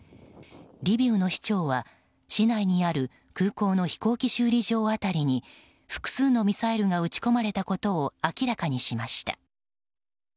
リビウの市長は市内にある空港の飛行機修理場当たりに複数のミサイルが撃ち込まれたことを明らかにしました。